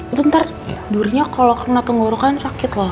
itu ntar durinya kalau kena tenggorokan sakit loh